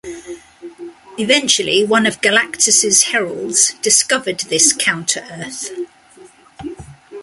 Eventually, one of Galactus's Heralds discovered this Counter-Earth.